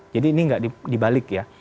jadi ini tidak dibalik ya